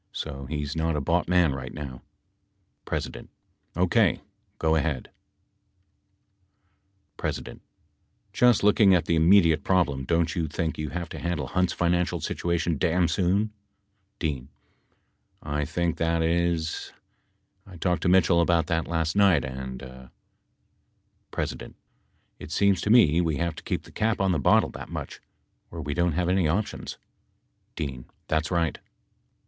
So he is not a bought man right now. P. OK. Go ahead, [pp. 194 95] P. Just looking at the immediate problem, don't you think you have to handle Hunt's financial situation damn soon ? D. I think that is — I talked to Mitchell about that last night and — P. It seems to me we have to keep the cap on the bottle that much, or we don't have any options. D. That's right.